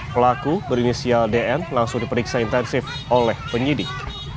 pelaku berinisial dn langsung diperiksa intensif oleh penyidik